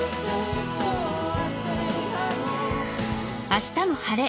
「あしたも晴れ！